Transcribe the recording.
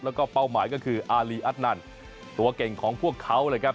แล้วก็เป้าหมายก็คืออารีอัตนันตัวเก่งของพวกเขาเลยครับ